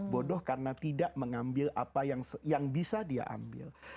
bodoh karena tidak mengambil apa yang bisa dia ambil